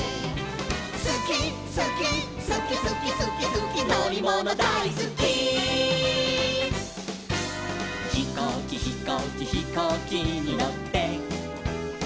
「すきすきすきすきすきすきのりものだいすき」「ひこうきひこうきひこうきにのって」